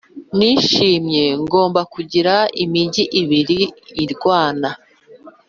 nishimye ngomba kugira imigi ibiri irwana